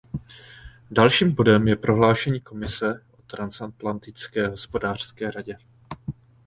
Dalším bodem je prohlášení Komise o Transatlantické hospodářské radě.